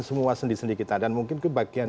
semua sendi sendi kita dan mungkin kebagian